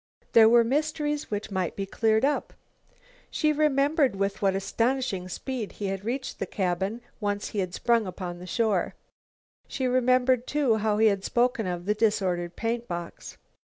There were mysteries which might be cleared up. She remembered with what astonishing speed he had reached the cabin once he had sprung upon the shore. She remembered, too, how he had spoken of the disordered paint box.